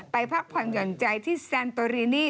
พักผ่อนหย่อนใจที่แซนโตรีนี่